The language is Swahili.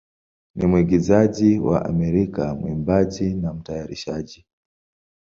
ni mwigizaji wa Amerika, mwimbaji, na mtayarishaji.